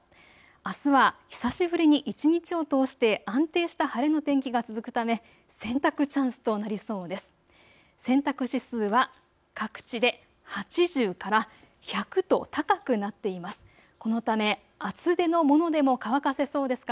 あすは久しぶりに一日を通して安定した晴れの天気が続くため洗濯チャンスとなりそうです。